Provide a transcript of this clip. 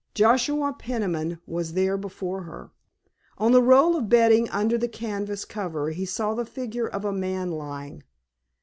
Joshua Peniman was there before her. On the roll of bedding under the canvas cover he saw the figure of a man lying.